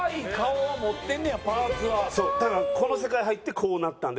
そうだからこの世界入ってこうなったんで。